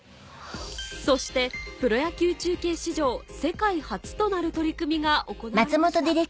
そしてプロ野球中継史上世界初となる取り組みが行われました